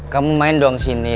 kamu main doang sini